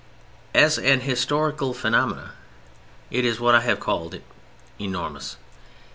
As an historical phenomenon it is what I have called it—enormous.